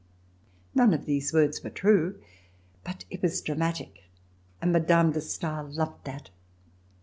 None of these words were true, but it was dramatic, and Mme. de Stael loved that.